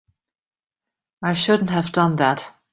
I shouldn't have done that.